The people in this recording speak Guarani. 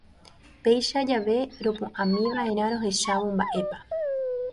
Péicha jave ropu'ãmiva'erã rohechávo mba'épa.